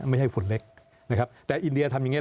ฝุ่นเล็กนะครับแต่อินเดียทำอย่างนี้